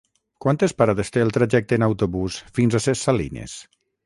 Quantes parades té el trajecte en autobús fins a Ses Salines?